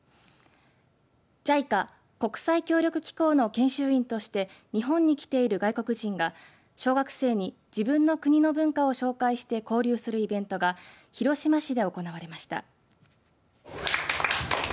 ＪＩＣＡ国際協力機構の研修員として日本に来ている外国人が小学生に自分の国の文化を紹介して交流するイベントが広島市で行われました。